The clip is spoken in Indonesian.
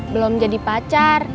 belum jadi pacar